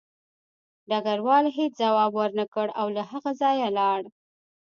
ډګروال هېڅ ځواب ورنکړ او له هغه ځایه لاړ